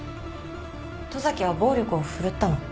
十崎は暴力を振るったの？